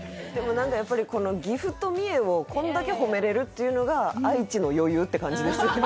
何かやっぱりこの岐阜と三重をこんだけ褒めれるっていうのが愛知の余裕って感じですよね